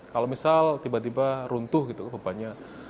kalau misal tiba tiba runtuh gitu bebannya